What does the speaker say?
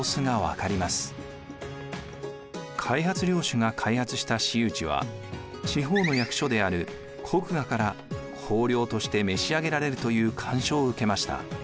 開発領主が開発した私有地は地方の役所である国衙から公領として召し上げられるという干渉を受けました。